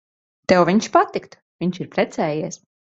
Tev viņš patiktu. Viņš ir precējies.